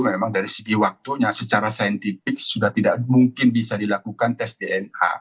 memang dari segi waktunya secara saintifik sudah tidak mungkin bisa dilakukan tes dna